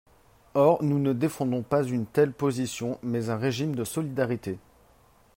Or nous ne défendons pas une telle position, mais un régime de solidarité.